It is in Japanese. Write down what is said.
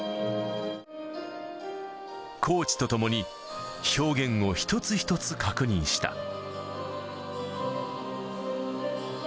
コーチと共に表現を一つ一つ確認した。